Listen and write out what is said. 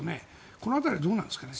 この辺りはどうなんですかね。